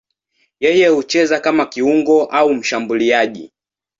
Yeye hucheza kama kiungo au mshambuliaji.